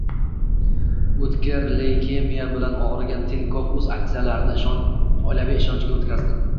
O'tkir leykemiya bilan og'rigan Tinkov o'z aktsiyalarini oilaviy ishonchga o'tkazdi